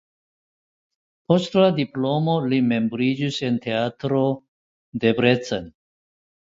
Post la diplomo li membriĝis en Teatro Csokonai (Debrecen).